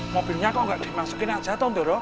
mobilnya kok gak dimasukin aja tuh ndoro